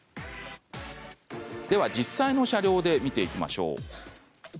では、実際の車両で見ていきましょう。